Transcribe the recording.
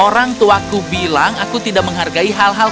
orangtuaku bilang aku tidak menghargai hal hal